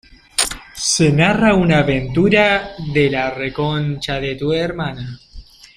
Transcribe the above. Se narra una aventura de Sebastião Salgado por los cuatro continentes.